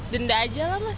denda aja lah mas